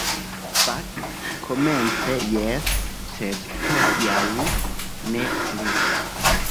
Fakte komence jes, sed hodiaŭ ne plu.